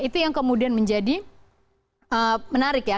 itu yang kemudian menjadi menarik ya